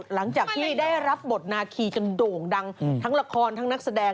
หลังจากที่ได้รับบทนาคีจนโด่งดังทั้งละครทั้งนักแสดง